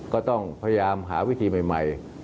ก็ต้องพยายามหาวิธีใหม่